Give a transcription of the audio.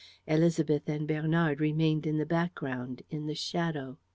Élisabeth and Bernard remained in the background, in the shadow.